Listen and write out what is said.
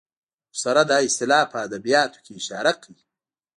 ورسره دا اصطلاح په ادبیاتو کې اشاره کوي.